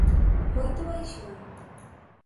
Moito baixón?